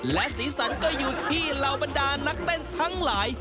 และสีสันก็อยู่ที่เหล่าบรรดานักเต้นทั้งหลาย